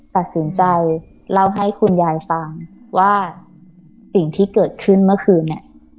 ตัดสินใจเล่าให้คุณยายฟังว่าสิ่งที่เกิดขึ้นเมื่อคืนเนี่ย